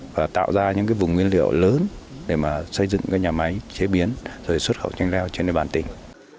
và tạo ra những vùng nguyên liệu lớn để xây dựng nhà máy chế biến xuất khẩu chanh leo trên đề bản tỉnh